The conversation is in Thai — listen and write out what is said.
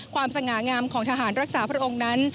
สง่างามของทหารรักษาพระองค์นั้น